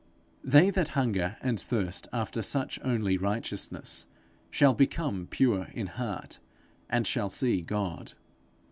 They that hunger and thirst after such only righteousness, shall become pure in heart, and shall see God.